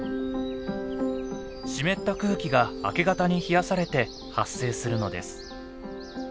湿った空気が明け方に冷やされて発生するのです。